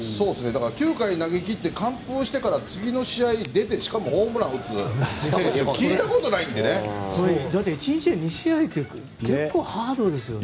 だから、９回投げ切って完封してから次の試合に出てしかもホームランを打つって１日で２試合って結構、ハードですよね。